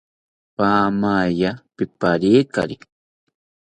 Paamaya pipariekari